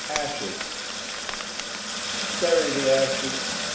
Ashes Bury the ashes.